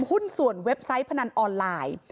หุ้นส่วนเว็บไซต์พนันออนไลน์